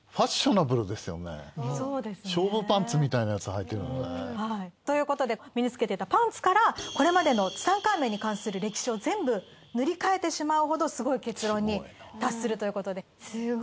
ホントに。ということで身に着けてたパンツからこれまでのツタンカーメンに関する歴史を全部塗り替えてしまうほどすごい結論に達するということで。